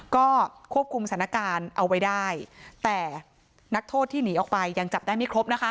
ก็ควบคุมสถานการณ์เอาไว้ได้แต่นักโทษที่หนีออกไปยังจับได้ไม่ครบนะคะ